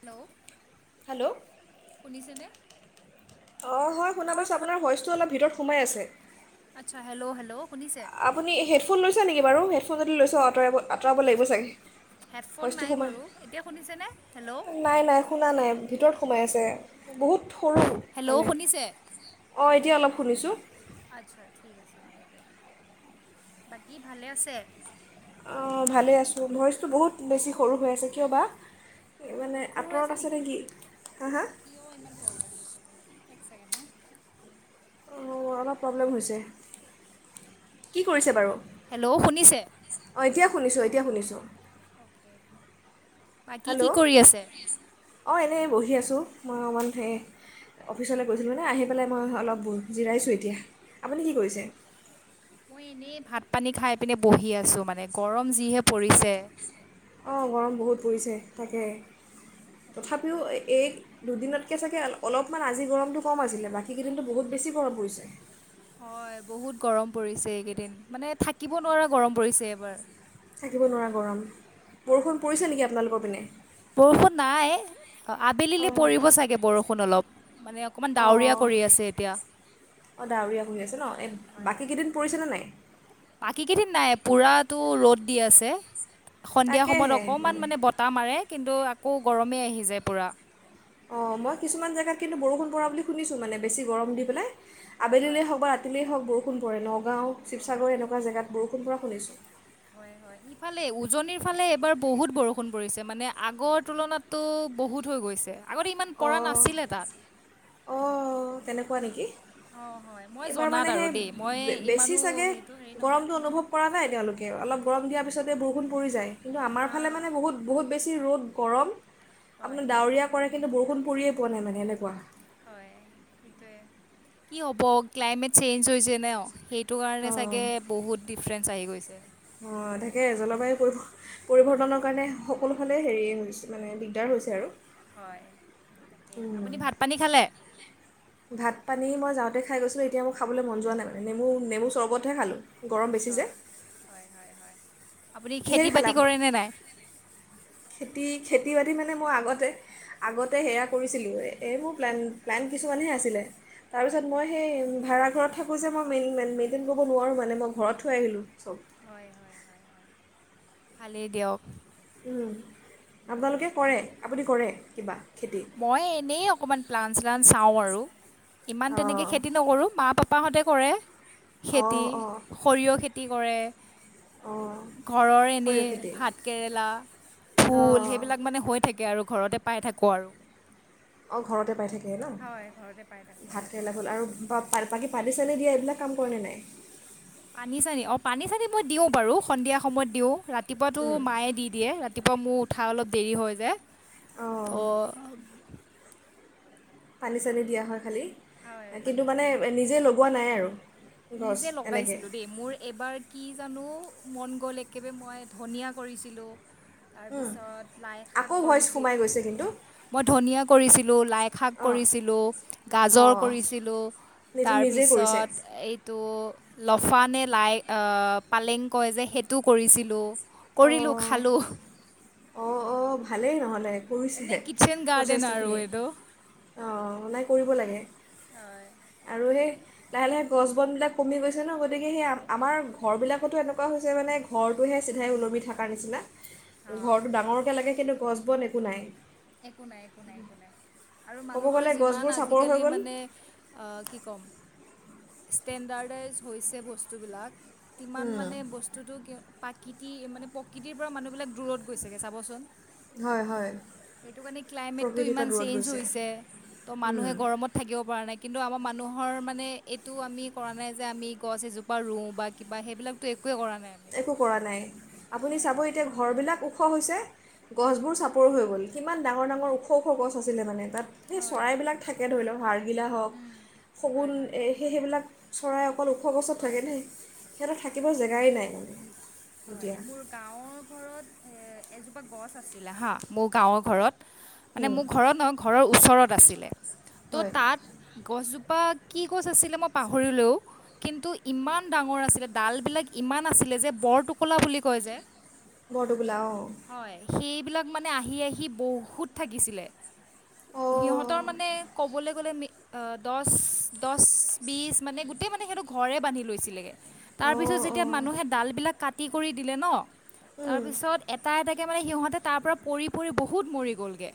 Hello hello শুনিছেনে অ হয় শুনা পাইছো আপোনাৰ ভইচ টো অলপ ভিতৰত সোমাই আছে আচ্ছা হেল্ল' হেল্ল' শুনিছে আপুনি হেডফোন লৈছে নেকি বাৰু হে হেডফোন যদি লৈছোঁ আঁতৰাব আঁতৰাব লাগিব চাগে হেডফোন ভইচটো নাই সোমাই বাৰু এতিয়া শুনিছেনে হেল্ল' নাই নাই শুনা নাই ভিতৰত সোমাই আছে বহুত সৰু হেল্ল' মানে শুনিছে অঁ এতিয়া অলপ শুনিছোঁ আচ্ছা ঠিক আছে বাৰু দিয়ক বাকী ভালে আছে অ ভালে আছোঁ ভইচটো বহুত বেছি সৰু হৈ আছে কিয় বা এই মানে বহত সৰু আঁতৰত আছে নেকি হা হা কিয় ইমান প্ৰব্লেম দিছে বাৰু এক ছেকেণ্ড হা অঁ অলপ প্ৰব্লেম হৈছে কি কৰিছে বাৰু হেল্ল' শুনিছে অঁ এতিয়া শুনিছোঁ এতিয়া শুনিছোঁ অকে বাকী কি হেল্ল' কৰি আছে অঁ এনেই বহি আছোঁ মই অকণমান সেই অফিচলৈ গৈছিলোঁ নে আহি পেলাই মই অলপ জিৰাইছোঁ এতিয়া আপুনি কি কৰিছে মই এনেই ভাত ভাত পানী খাই পিনে বহি আছোঁ মানে গৰম যিহে পৰিছে অঁ গৰম বহুত পৰিছে তাকে তাকে তথাপিও এই দুদিনতকৈ চাগে অলপমান আজি গৰমটো কম আছিলে বাকীকেইদিনতো বহুত বেছি গৰম পৰিছে হয় বহুত গৰম পৰিছে এইকেইদিন মানে থাকিব নোৱাৰা গৰম পৰিছে এবাৰ থাকিব নোৱাৰা গৰম হয় বৰষুণ পৰিছে নেকি আপোনালোকৰ পিনে বৰষুণ নাই আবেলিলৈ অঁ পৰিব চাগে বৰষুণ অলপ মানে অকমান ডাৱৰীয়া অঁ কৰি আছে এতিয়া অঁ ডাৱৰীয়া হৈ আছে ন এই হয় বাকীকেইদিন পৰিছেনে নাই বাকী কেইদিন নাই পুৰাতো ৰ'দ দি আছে সন্ধিয়া সময়ত অকমান মানে বতাহ মাৰে কিন্তু আকৌ গৰমেই আহি যায় পূৰা অঁ মই কিছুমান জেগাত কিন্তু বৰষুণ পৰা বুলি শুনিছোঁ মানে বেছি গৰম দি পেলাই হয় হয় আবেলিলেই হওক বা ৰাতিলে হওক বৰষুণ পৰে ন নগাওঁ শিসাগৰ এনেকুৱা জেগাত বৰষুণপ শুনিছোঁ হয় হয় ইফালে উজনিৰ ফালে এবাৰ বহুত বৰষুণ পৰিছে মানে আগৰ তুলনাতটো বহুত হৈ গৈছে আগতে ইমান পৰা অঁ নাছিলে তাত অঁ তেনেকুৱা নেকি অঁ হয় মই এইবাৰ জনাত মানে আৰু সেই দেই মই বেছি ইমানো চাগে সেইটো হেৰি নহয় গৰমটো কিন্তু মই অনুভৱ কৰা নাই তেওঁলোকে অলপ গৰম দিয়াৰ পিছতে বৰষুণ পৰি যায় কিন্ত আমাৰ হা ফালে মানে বহুত বহুত বেছি ৰ'দ গৰম আপোনাৰ হয় ডাৱৰীয়া কৰে কিন্তু বৰষুণ পৰিয়ে পোৱা নাই মানে এনেকুৱা হয় সেইটোয়ে কি হব ক্লাইমেট চেঞ্জ হৈছে ন সেই সেইটো কাৰণে চাগে বহুত ডিফাৰেন্ঞ্চ আহি গৈছে ছে [unintelligible] অ তাকে জলবায়ু পৰি পৰিৱৰ্তনৰ কাৰণে সকলোফালে হেৰি মানে দিগদাৰ হৈছে আৰু হয় তাকে আপুনি ভাত পানী খালে ভাত পানী মই যাওঁতে খাই গৈছিলো এতিয়া মই খাবলৈ মন যোৱাাইানে নেমু নেমু চৰবতহে খালোঁ গৰম বেছি অ যে হয় হয় হয় আপুনি খেতি কিহেদি খালে বাতি আপোনালোকে কৰেনে নাই খেতি খেতি বাতি মানে মই আগতে আগতে সেয়া কৰিছিলোঁ এই মোৰ প্লেন প্লেন কিছুমানহে আছিলে হয় তাৰপিছত মই সেই ভাড়া ঘৰত থাকোঁ যে মই মেইন মেইনটেইন কৰিব নোৱাৰোঁ মানে মই ঘৰত থ আহিলোঁ চব হয় হয় ভালেই দিয়ক আপোনালোকে কৰে আপুনি কৰে কিবা খেতি মই এনেই অকমান প্লান চ্লান চাওঁ আৰু ইমান তেনেকে অঁ খেতি নকৰো মা পাপাহঁতে কৰে খেতি অঁ অঁ সৰিয়হ খেতি কি কৰে অঁ ঘৰৰ এনে সৰিয়হ খেতি ভাত কেৰেলা ফুল অঁ সেইবিলাক মানে হৈ থাকে আৰু ঘৰতে পাই থাকোঁ আৰু অঁ ঘৰতে পাই থাক ভালেই হয় ঘৰতে পাই ন থাকোঁ আৰু ভাতকেৰেলা আৰু পানী চানি দিয়া এইবিলাক কাম কৰা ন নাই পানী চানী অ পানী চানী মই দিওঁ বাৰু সন্ধিয়া সময়ত দিওঁ ৰা ৰাতিপুৱাটো উম, মায়ে দি দিয়ে ৰাতিপুৱা মোৰঠ কঠা অলপ দেৰি হৈ যায় অঁ তো পানী চানী দিয়া হয় খালী কিন্তু পানী মানে চানি দিয়া হয় নিজে লগোৱা নাই আৰু গছ নিজে এনেকৈ লগাইছিলো দেই মোৰ এবাৰ কি জানো মন গ'ল একেবাৰে মই ধনীয়া কৰিছিলোঁ উম, তাৰপিছত লাই শাক আকৌ ভইচ কৰিছিল সোমাই গৈছে কিন্তু মই ধনিয়া কৰিছিলোঁ লাই শাক অঁ কৰিছিলোঁ গাজৰ অঁ কৰিছিলোঁ এইটো নিজেই কৰিছে তাৰপিছত এইটো লফা নে লাই আহ পালেং কয় যে সেইটো কৰিছিলো কৰিলো খালো অ ভালেই নহলে এনেই কৰিছেহে কিটচেন গাৰ্ডেন আৰু যথেষ্টখিনি এইটো অঁ নাই কৰিব লাগে, হয় আৰু সেই লাহে লাহে গছ বনবিলাক কমি গৈছে ন গতিকে সেই আমাৰ ঘৰবিলাকতো এনেকুৱা হৈছে মানে ঘৰটোহে চিধাই ওলমি থকাৰ নিচিনা অঁ ঘৰটো ডাঙৰ লাগে কিন্তু গছ বন একো নাই একো নাই একো নাই একো নাই আৰু ক'ব মানুহৰ গ'লে যিমান গছবোৰ চাপৰ হৈ আজিকালি গ'ল মানে, আ কি ক'ম ষ্টেণ্ডাৰ্ডাইজ হৈছে বস্তুবিলাক কিমান উম, মানে বস্তুতটো ক প্ৰাকৃতি মানে প্ৰকৃতিৰ পৰা মানুহ বিলাক দূৰত গৈছেগে চাবচোন হয় হয় সেইটো কাৰণে ক্লাইমেটটো প্ৰকৃতিৰ ইমান পৰা দূৰত চেঞ্জ গৈছে হৈছে। ত মানুহে উম গৰমত থাকিব পৰা নাই কিন্তু আমাৰ মানুহৰ মানে এইটো আমি কৰা নাই যে আমি গছ এজোপা ৰুওঁ বা কিবা সেইবিলাকতো একোৱেই কৰা নাই আমি একো কৰা নাই আপুনি হয় চাব এতিয়া ঘৰবিলাক ওখ হৈছে গছবোৰ চাপৰ হৈ গ'ল কিমান ডাঙৰ ডাঙৰ ওখ ওখ গছ আছিলে মানে তাত সেই হয় চৰাইবলাক থাকে ধৰি লওক হয় হয় হয় [unintelligible] চৰাইঅক অকল ওখ গছত থাকে হয় দেই সিহঁতৰ থাকিব জেগাই নাই মানে হয় এতিয়া মোৰ গাঁৱৰ ঘৰত হে এজোপা গছ আছিলে হাঁ মোৰ গাঁৱৰ ঘৰত মানে মোৰ ঘৰত নহয় ঘৰৰ ওচৰত বাছিলে ত' হয় তাত গছজোপ ত কি গছ আছিলে মই পাহৰিলে। কিন্তু ইমান ডাঙৰ আছিলে ডালবিলাক ইমান আছিলে যে বৰ কলা বুলি কয় যে বৰটোকোলা অ সেই বিলাক আহি আহি বহোত থাকিচিলে অঁ সিহঁতৰ মানে ক'বলৈ গ'লে মি অ দছ-দছ, বিছ মানে গোটেই মানে সিহতে ঘৰে বান্ধি লৈছিলে গে। তাৰ পিছত অঁ অঁ যেতিয়া মানুহে ডাল বিলাক কাট কি কৰি দিলে ন? তাৰপিছত এটা এটা কে মানে সিহঁতে তাৰ পৰা পৰি পৰি বহুত মৰি গ'ল গে।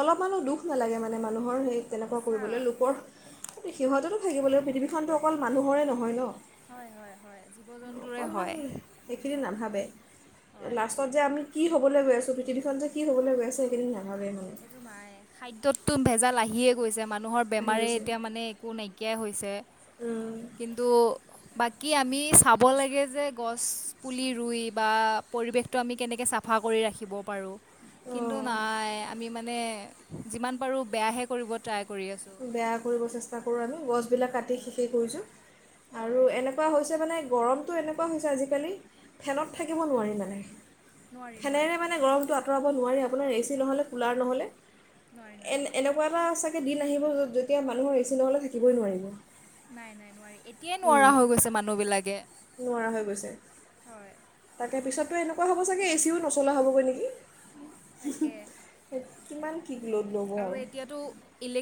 অলপমানো দুখ নালাগে মানে মানুহ ৰ সেই তেনেকুৱা সঁচা কৰিবলৈ লোকৰ সিহঁততো থাকিব লাগিব। পৃথিৱীখনতো অকল মানুহৰে নহয় ন। হয়, হয়, হয়। জীৱ জন্তুৰে অকমান হয় সেইখিনি নাভাবে। [unintelligible] হয় লাষ্টত যে আমি কি হ'বলৈ গৈ আছে, পৃথিৱীখন যে কি হ'বলৈ গৈ আছে, সেইদিন নাই এইটো নাই খাদ্যততো ভেজাল লাহিয়ে গৈছে মাত মানুহৰ আহি বেমাৰেই গৈছে এতিয়া মানে একো নাইকিয়াই হৈছে, কিন্তু বাকী আমি চাব লাগে যে, গছ পুলি ৰুই বা পৰিৱেশটো আমি কেনেকৈ চাফা কৰি ৰাখিব পাৰোঁ। কিন্তু অঁ নাই মানে যিমান পাৰোঁ, বেয়াহে কৰিব ট্ৰাই কৰি আছোঁ বেয়া কৰিব চেষ্টা কৰো আৰু গছ বিল বিলাক কাটি শেষেই কৰিছোঁ। আৰু হয় এনেকুৱা হৈছে মানে গৰমটো এনেকুৱা হৈছে আজিকালি ফেনত থাকিব নোৱাৰি মানে নোৱাৰি নোৱাৰি নোৱাৰি ফেনেৰে মানে গৰমটো আতৰাব নোৱাৰি আপোনাৰ এ চি নহ'লে কুলাৰ নহ'লে নোৱাৰি এ এনেকুৱা এটা আছে [unintelligible] নাহিব যেতিয়া মানুহৰ এ চি নহলে থাকিবই নোৱাৰিব। নাই-নাই নোৱাৰি, এতিয়াই নোৱাৰা হৈ গৈছে মানুহ বিলাকে, হয়। তাৰপিছতো এনেুকোৱা হব ছাগে এ চিও নচলা হ'বগৈ নেকি? তাকে এ [unintelligible] কিমান সঠিক ল'ড লব আৰু।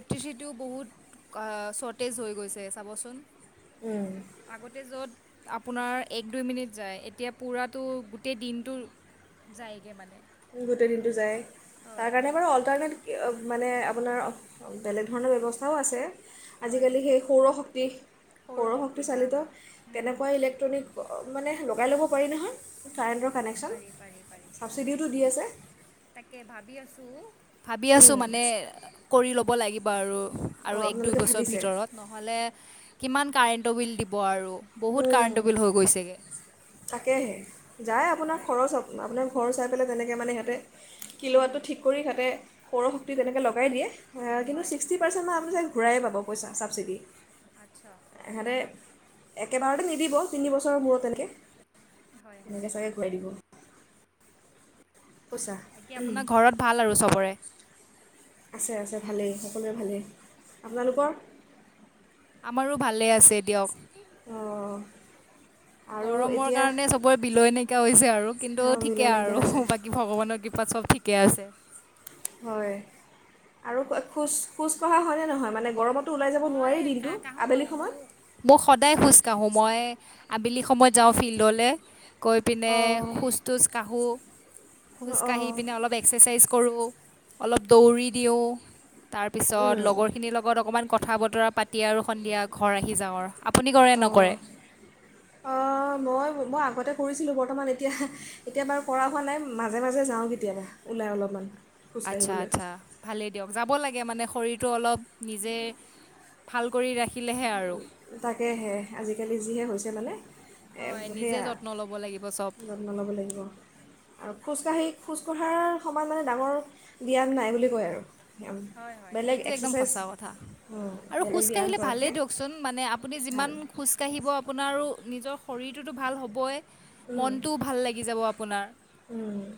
কতিচিটিও বহুত অ চৰ্টেজ হৈ গৈছে চাবচোন। আগতে য'ত আপোনাৰ এক দুই মিনিট যায় এতিয়া পুৰাতো গোটেই দিনতটো যায়গে মানে। গোটেই দিনটো যায়, তাৰ হয় কাৰণে বাৰু অল্টাৰনেট মানে আপোনাৰ বেলেগ ধৰণৰ ব্যৱস্থাও আছে। হয় আজিকালি সেই সৌৰশক্তি সৌৰশক্তি হাঁ চালিত হাঁ কেনেকুৱা ইলেক্ট্ৰনিক মানে লগাই ল'ব পাৰি নহয়। কাৰেণ্টৰ কানেকশচন পাৰি পাৰি পাৰি চাবচিডি তাকে ভাবি আছো ভাবি আছো মানে কৰি ল'ব লাগিব বাৰু, অঁ আৰু এক, দুই আপোনালোকে বছৰ ভাবিছে ভিতৰত নহ'লে কিমান কাৰেণ্টৰ বিল দিব আৰু বহুত কাৰেন্টৰ বিল হৈ গৈছেগে। তাকেহে যায় আপোনাৰ খৰচ আপোনাৰ ঘৰ চাই পেলাই তেনেকে মানে সিহতে কিলোৱাটো ঠিক কৰি থাকে সৌৰশক্তি তেনেকৈ লগাই দিয়ে। কিন্তু হয় ছিক্টি পাৰ্চেণ্ট মান ঘূৰাই পাব পইচা চাবচিডি। আচ্ছা হাৰে একেবাৰতে নিদিব তিনিবছৰৰ মূৰত এনেকে [unintelligible] পইচা বাকী আপোনাৰ ঘৰত ভাল আৰু চবৰে? আছেআছে ভালেই সকলোৱে ভালেই। আপোনালোকৰ? ভালে আছে দিয়ক। অহ গৰমৰ কাৰণে চবৰে বিলৈ নাইকিয়া হৈছে আৰু কিন্তু অঁ, বিলৈ ঠিকে নাইকিয়া হৈছে আৰু বাকী ভগৱানৰ কৃপা পাত চব ঠিকে আছে। হয় আৰু খোজ খোজ কঢ়া হয় নহয় মানে গৰমত মই কাঢ়ো কাঢ়ো মোৰ মোক সদায় খোজ কাঢ়ো মই আবেলি সময়ত যাওঁ ফিল্ডলে। কৈ পিনে অঁ খোজ তোজ কাঢ়ো অঁ খোজকাঢ়ি পিনে অল এক্সাৰচাইজ কৰোঁ অলপ দৌৰি দিওঁ তাৰপিছত উম লগৰখিনিৰ লগত অকণমান কথা বতৰা পাতি আৰু সন্ধিয়া ঘৰ আহি যাওঁ আৰু। আপুনি কৰে অহ, নকৰে অহ মই মই আগতে কৰিছিলোঁ বৰ্তমান এতিয়া‌‌ এতিয়া বাৰু কৰা হোৱা নাই। মাজে-মাজে যাওঁ কেতিয়াবা ওলাই অলপমান আচ্ছা খোজকাঢ়িবলৈ আচ্ছা ভালে দিয়ক যাব লাগে তাকে মানে শৰীৰটো অলপ নিজে ভাল কৰি ৰাখি তাকেহে আজিকালি যিহে হৈছে মানে, হয় নিজে সেয়া যত্ন ল'ব লাগিব চব যত্ন ল'ব লাগিব আৰু খোজকাঢ়ি খোজ কঢ়া তাৰ সমান মানে ডাঙৰ ব্যায়াম নাই বুলি কয় আৰু। ব্যায়াম, হয়‌ হয় বেলেগ সেইটো একদম এক্সাৰচাইজ সচা কথা আৰু বেলেগ খোজ ব্যায়াম কাঢ়িলে ভালেই কৰাতকৈ দিয়ক মানে আপুনি যিমান খোজকাঢ়িব আপোনাৰ আৰু নিজৰ শৰীৰটোতো ভাল হ'বই মনটোও ভাল লাগি যাব আপোনাৰ। ভাল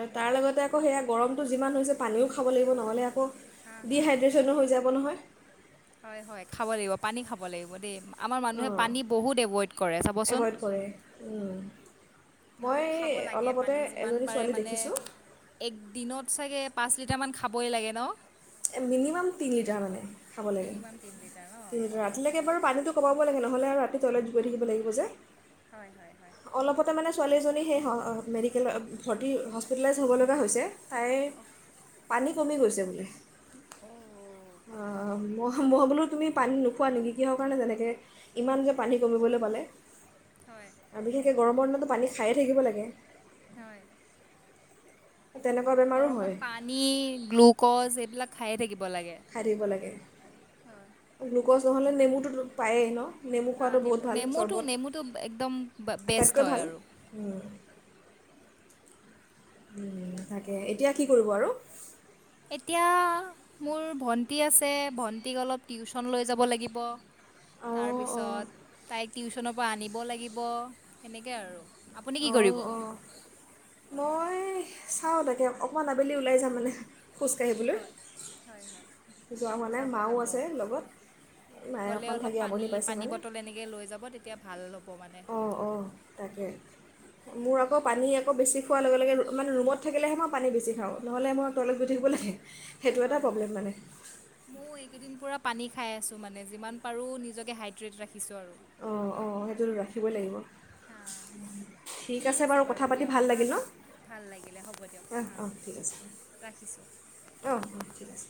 আৰু তাৰ লগতে আকৌ সেয়া গৰমটো যিমান হৈছে পানীও খাব লাগিব নহ'লে আকৌ হা হা ডিহাইড্ৰেশ্যনো সেইটোৱে, হৈ যাব নহয় হয় হয় খাব লাগিব পানী খাব লাগিব দেই আমাৰ মানুহে অঁ পানী বহুত এভইড কৰে চাবচোন। এভইড কৰে উম। কিন্তু মই খাব লাগে অলপতে পানী যিমান এজনী পাৰে ছোৱালী মানে দেখিছোঁ একদিনত তাকে পাঁচ লিটাৰ মান খাবই লাগে ন মিনিমাম তিনিটাৰ মানে খাব লাগে মিনিমাম তিনি লিটাৰ ন তি অঁ ৰাতিলৈকে বাৰু পানীটো কমাব হ'ব লাগে নহ'লে আৰু ৰাতি তইলত গ গৈ থাকিব লাগিব যে। হয় হয় হয় ছোৱালীজনী সেই মেডিকেল ভৰ্তি হস্পিটেলাইজ হ'ব লগা হৈছে তাই পানী কমি গৈছে বোলে অ' অহ মহ ম‌ই বুলু তুমি পানী নোখোৱা নেকি, কিহৰ কাৰণে যেনেকৈ ইমান যে পানী কমিবলৈ পালে। হয় আৰু বিশেষকে গৰমৰ টো পানী খায়ে থাকিব লাগে। হয়। তেনেকুৱা বেমাৰো গৰমত হয় পানী গ্লুকজ এইবিলাক খাই থাকিব লাগে খাই থাকিব লাগে। হয়। গ্লুকজ নহ'লে নেমুটোতো পায়েই ন, নেমু অ খোৱাটো বহুত নেমু, ভাল চৰ্বত নেমুটো-নেমুটো একদম বেষ্ট আটাইতকৈ হয় ভাল আৰু। ওম তাকে এতিয়া কি কৰিব আৰু? এতিয়া মোৰ ভন্টী আছে, ভণ্টিক অলপ টিউশচন লৈ যাব লাগিব। তাৰ অঁ অঁ পিছত তাইক টিউচনৰ পৰা আনিব লাগিব, তেনেকে আৰু আপুনি কি অঁ কৰিব? অঁ মই চাওঁ তাকে অকণমান আবেলি ওলাই যাম মানে। খোজকাঢ়িবলৈ হয় - হয় হয়, যোৱা হোৱা নাই যাব মাও যাব, আছে লগত মায়ে গ'লে অকণমান অলপ থাকি পানী আমনি পাইছে পানী মানে বটল এনেকে লৈ যাব, তেতিয়া ভাল অলপ। হব মানে অঁ অঁ তাকে মোৰ আকৌ পানী এক আকৌ বেছি খোৱাৰ লগে লগে মানে ৰুমত থাকিলেহে মই পানী বেছি খাওঁ, নহ'লে মই টয়লেট গৈ থাকিব লাগে সেইটো এটা হয়- হয় প্ৰব্লেম মানে ময়ো এইকেইদিন পোৰা পানী খাই আছো মানে যিমান পাৰোঁ নিজকে হাইড্ৰেট ৰাখি অ- অ সেইটো ৰাখ ৰখিব‌ই লাগিব হা ঠিক আছে বাৰু কথা পাতি দিয়ক ভাল হা লাগিল ন? হা ভাল লাগিলে হ'ব দিয়ক অ হা -অ ঠিক আছে ৰাখিছোঁ অ' - অ 'ঠিক আছে